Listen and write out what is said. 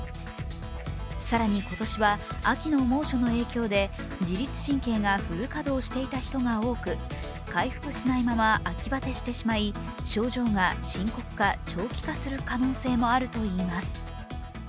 更に、今年は秋の猛暑の影響で自律神経がフル稼働していた人が多く回復しないまま秋バテしてしまい、症状が深刻化・長期化する可能性もあるといいます。